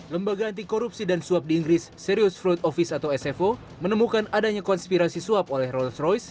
lembaga anti korupsi dan suap di inggris serious road office atau sfo menemukan adanya konspirasi suap oleh rolls royce